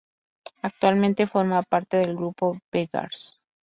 Actualmente forma parte del grupo Beggars.